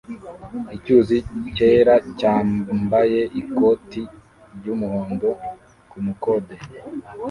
icyuzi cyera yambaye ikoti ryumuhondo kumukode